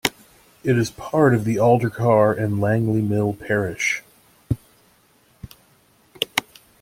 It is part of the Aldercar and Langley Mill parish.